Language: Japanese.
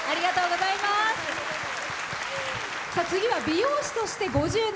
次は美容師として５０年。